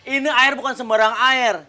ini air bukan sembarang air